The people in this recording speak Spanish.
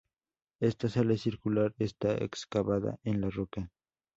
Esta sala circular está excavada en la roca.